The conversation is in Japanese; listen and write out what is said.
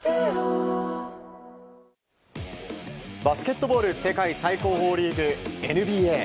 バスケットボール世界最高峰リーグ、ＮＢＡ。